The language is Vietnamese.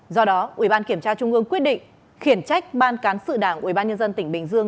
do đó ubnd quyết định khiển trách ban cán sự đảng ubnd tỉnh bình dương